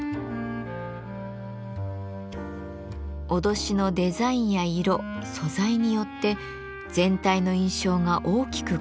威しのデザインや色素材によって全体の印象が大きく変わる鎧。